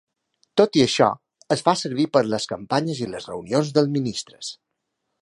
Tot i això, es fa servir per a les campanyes i les reunions dels ministres.